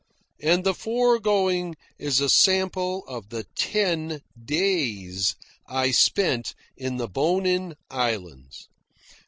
And the foregoing is a sample of the ten days I spent in the Bonin Islands.